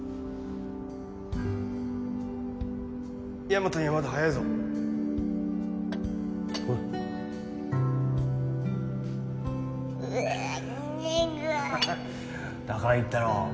大和にはまだ早いぞうぇ苦いだから言ったろ。